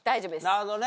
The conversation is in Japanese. なるほどね。